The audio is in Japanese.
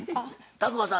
宅麻さん